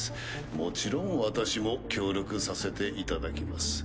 もちろん私も協力させていただきます